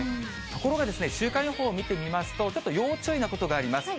ところが週間予報を見てみますと、ちょっと要注意なことがあります。